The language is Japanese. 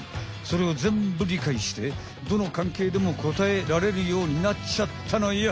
それをぜんぶりかいしてどの関係でも答えられるようになっちゃったのよ。